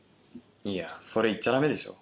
いやそれ言っちゃダメでしょ。